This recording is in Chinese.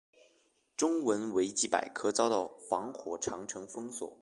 中文维基百科遭到防火长城封锁。